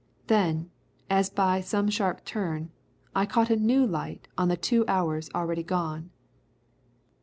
Then, as by some sharp turn, I caught a new light on the two hours already gone.